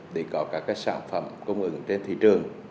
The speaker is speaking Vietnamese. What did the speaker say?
để có các sản phẩm cung ứng trên thị trường